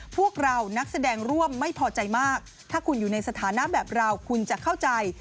พวกเรานักแสดงร่วมไม่พอใจมากถ้าคุณอยู่ในสถานะแบบเราคุณจะเข้าใจ